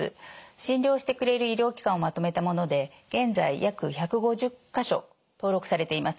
診療してくれる医療機関をまとめたもので現在約１５０か所登録されています。